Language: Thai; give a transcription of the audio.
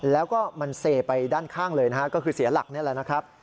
แล้วก็มันเซไปด้านข้างเลยนะฮะก็คือเสียหลักนี่แหละนะครับ